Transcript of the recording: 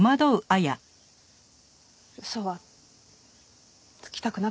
嘘はつきたくなかったんです。